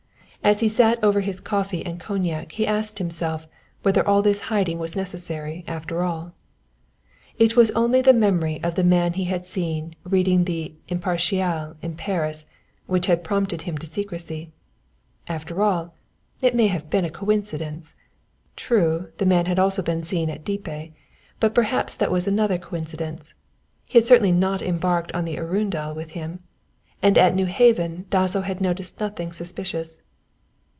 As he sat over his coffee and cognac he asked himself whether all this hiding was necessary, after all. It was only the memory of the man he had seen reading the Imparcial in Paris which had prompted him to this secrecy. After all, it may have been a coincidence. True, the man had also been seen at Dieppe, but perhaps that was another coincidence. He had certainly not embarked on the Arundel with him, and at Newhaven Dasso had noticed nothing suspicious.